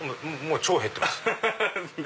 超へってます。